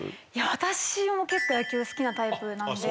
私も結構野球好きなタイプなんで。